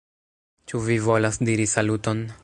Ĉu vi volas diri saluton?